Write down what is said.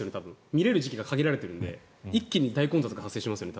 見れる時期が限られているので一気に大混雑が発生しますよね